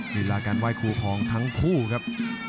ลีลาการไหว้ครูของทั้งคู่ครับ